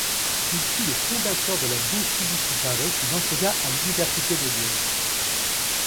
Il fut le fondateur de la biochimie comparée qu'il enseigna à l'Université de Liège.